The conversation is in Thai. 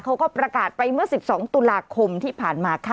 เขาก็ประกาศไปเมื่อ๑๒ตุลาคมที่ผ่านมาค่ะ